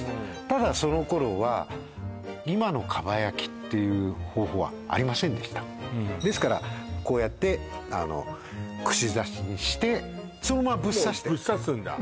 ただその頃は今の蒲焼っていう方法はありませんでしたですからこうやってあの串刺しにしてそのままぶっ刺してもうぶっ刺すんだ